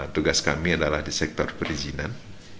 tugas kami adalah di sektor perizinan